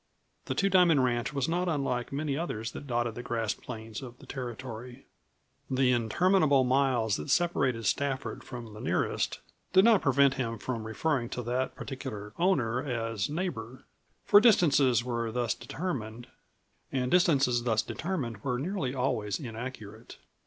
The Two Diamond ranch was not unlike many others that dotted the grass plains of the Territory. The interminable miles that separated Stafford from the nearest, did not prevent him from referring to that particular owner as "neighbor", for distances were thus determined and distances thus determined were nearly always inaccurate.